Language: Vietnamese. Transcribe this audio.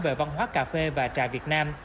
về văn hóa cà phê và trà việt nam